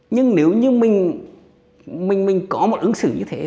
nhưng nếu như mình có một ứng xử như thế